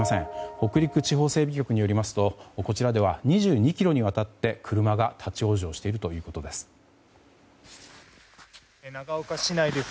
北陸地方整備局によりますとこちらでは２２ｋｍにわたって車が立ち往生しているということです。